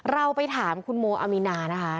เราไปถามคุณโมอามีนานะคะ